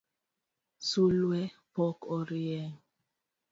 Sulwe pok orieny.